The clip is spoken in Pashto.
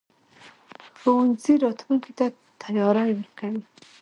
ښوونځی راتلونکي ته تیاری ورکوي.